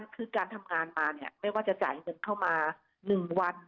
คือการทำงานมาไม่ว่าจะจ่ายเงินเข้ามา๑วัน